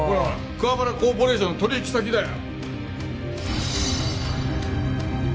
桑原コーポレーションの取引先だよ。